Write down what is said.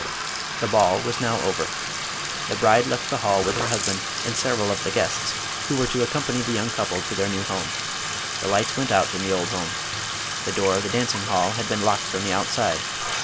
The ball was now over. The bride left the hall with her husband and several of the guests who were to accompany the young couple to their new home. The lights went out in the old house. The door of the dancing hall had been locked from the outside.